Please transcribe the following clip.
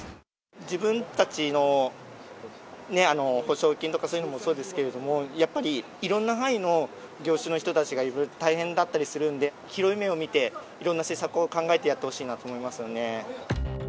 自分たちの補償金とか、そういうのもそうですけれども、やっぱりいろんな範囲の業種の人たちがいろいろ大変だったりするんで、広い目で見て、いろんな政策を考えてやってほしいと思いますよね。